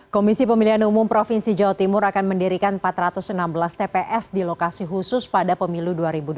komisi pemilihan umum provinsi jawa timur akan mendirikan empat ratus enam belas tps di lokasi khusus pada pemilu dua ribu dua puluh